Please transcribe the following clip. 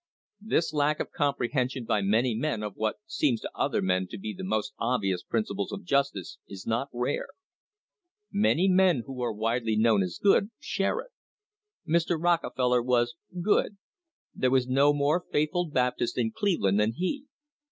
This lack of comprehension by many men of what seems to other men to be the most obvious principles of justice is not rare. Many men who are widely known as good, share it. Mr. Rockefeller was "good." There was no more faithful Baptist in Cleveland than he.